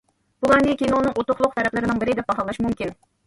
بۇلارنى كىنونىڭ ئۇتۇقلۇق تەرەپلىرىنىڭ بىرى دەپ باھالاش مۇمكىن.